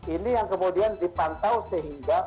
ini yang kemudian dipantau sehingga